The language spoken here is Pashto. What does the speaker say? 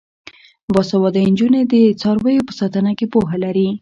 باسواده نجونې د څارویو په ساتنه کې پوهه لري.